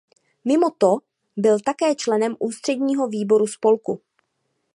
Mimo to byl také členem ústředního výboru spolku.